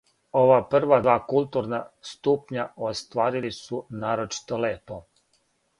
Ова прва два културна ступња остварили су нарочито лепо